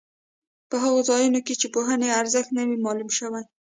په هغو ځایونو کې چې پوهې ارزښت نه وي معلوم شوی.